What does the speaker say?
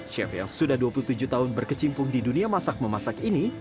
chef yang sudah dua puluh tujuh tahun berkecimpung di dunia masak memasak ini